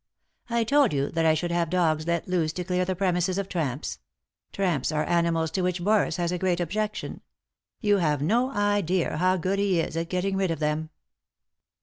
" I told you that I should have the dogs let loose to clear the premises of tramps. Tramps are animals ' to which Boris has a great objection. You have no idea how good he is at getting rid of them."